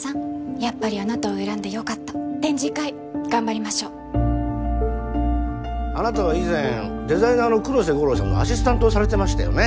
やっぱりあなたを選んでよかった展示会頑張りましょうあなたは以前デザイナーの黒瀬吾郎さんのアシスタントをされてましたよね？